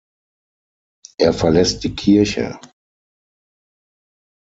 Er verlässt die Kirche.